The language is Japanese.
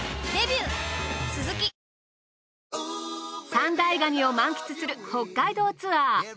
三大ガニを満喫する北海道ツアー。